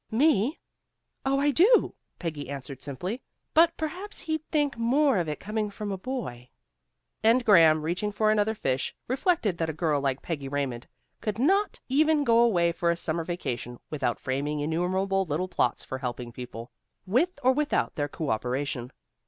"Me? Oh, I do," Peggy answered simply. "But, perhaps he'd think more of it coming from a boy." And Graham reaching for another fish, reflected that a girl like Peggy Raymond could not even go away for a summer vacation without framing innumerable little plots for helping people, with or without their coöperation.